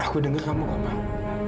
aku denger kamu ngomong